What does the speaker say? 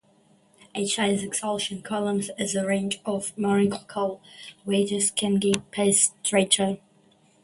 Each size exclusion column has a range of molecular weights that can be separated.